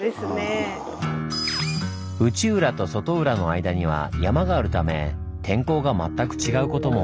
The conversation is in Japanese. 内浦と外浦の間には山があるため天候が全く違うことも。